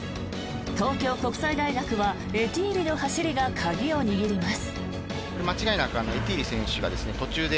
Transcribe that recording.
東京国際大学はエティーリの走りが鍵を握ります。